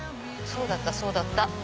そうだったそうだった。